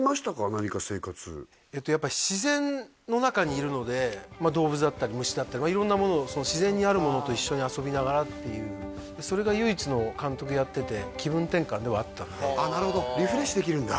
何か生活動物だったり虫だったり色んなもの自然にあるものと一緒に遊びながらっていうそれが唯一の監督やっててあっなるほどリフレッシュできるんだ